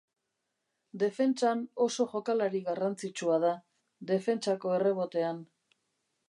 Defentsan oso jokalari garrantzitsua da, defentsako errebotean.